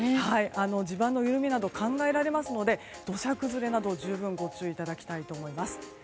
地盤のゆるみなどが考えられますので土砂崩れなどご注意いただきたいと思います。